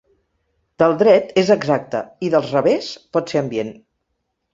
Del dret, és exacte, i dels revés pot ser ambient.